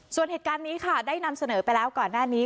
ส่วนเหตุการณ์นี้ค่ะได้นำเสนอไปแล้วก่อนหน้านี้